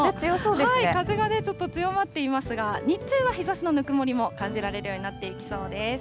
風がちょっと強まっていますが、日中は日ざしのぬくもりも感じられるようになっていきそうです。